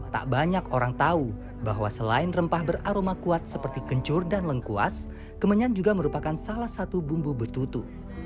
tak banyak orang tahu bahwa selain rempah beraroma kuat seperti kencur dan lengkuas kemenyan juga merupakan salah satu bumbu betutu